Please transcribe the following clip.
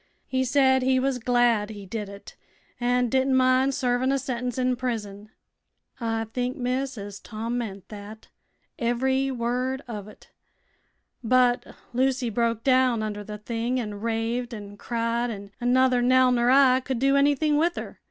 He said he was glad he did it, an' didn't mind servin' a sentence in prison. I think, miss, as Tom meant thet ev'ry word uv it. But Lucy broke down under the thing an' raved an' cried, an' nuther Nell ner I could do anything with her.